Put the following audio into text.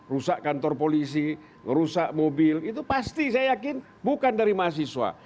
rusak kantor polisi rusak mobil itu pasti saya yakin bukan dari mahasiswa